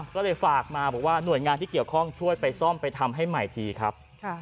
ก็เลยฝากมาบอกว่าหน่วยงานที่เกี่ยวข้องช่วยไปซ่อมไปทำให้ใหม่ทีครับ